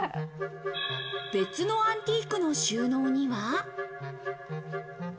別のアンティークの収納には。